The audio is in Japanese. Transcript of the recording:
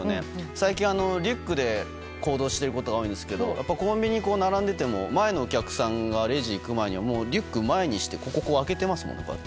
最近、リュックで行動してることが多いんですけどコンビニに並んでいても前のお客さんが並んでいる間にもうリュックを前にして開けてますからね。